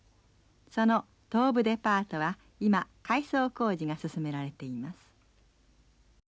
その東武デパートは今改装工事が進められています。